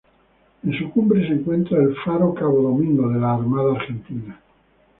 En su cumbre se encuentra el Faro Cabo Domingo de la Armada Argentina.